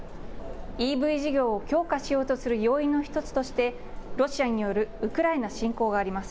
ＥＶ事業を強化しようとする要因の一つとして、ロシアによるウクライナ侵攻があります。